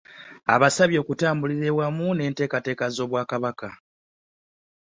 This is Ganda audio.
Abasabye okutambulira awamu n'enteekateeka z'obwakabaka